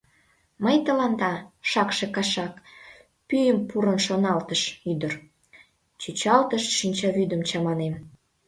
«Мый тыланда, шакше кашак, — пӱйым пурын шоналтыш ӱдыр, — чӱчалтыш шинчавӱдем чаманем».